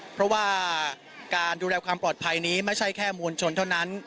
เพราะว่าการดูแลความปลอดภัยนี้ไม่ใช่แค่มวลชนเท่านั้น